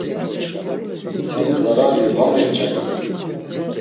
Sin zarari va mekçaminon.